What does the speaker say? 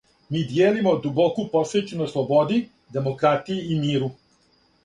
Ми дијелимо дубоку посвећеност слободи, демократији и миру.